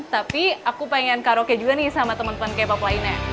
tapi aku pengen karaoke juga nih sama teman teman k pop lainnya